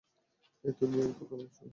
হেই, তুমি, তুমি কথা বলছো।